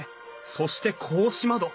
そして格子窓。